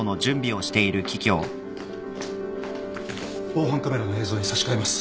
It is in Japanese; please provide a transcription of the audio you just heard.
防犯カメラの映像に差し替えます。